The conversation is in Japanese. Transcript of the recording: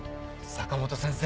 坂本先生。